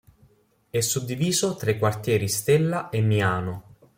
È suddiviso tra i quartieri Stella e Miano.